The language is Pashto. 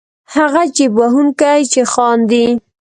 هغه جېب وهونکی چې خاندي.